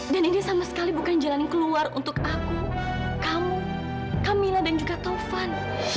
dan ini sama sekali bukan jalan yang keluar untuk aku kamu kamilah dan juga tovan